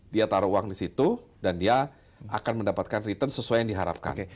dia taruh uang di situ dan dia akan mendapatkan return sesuai yang diharapkan